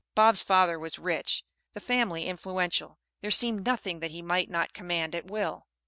Bob's father was rich, the family influential, there seemed nothing that he might not command at will.